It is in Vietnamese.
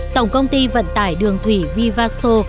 tổng công ty vận tải đường thủy vivaso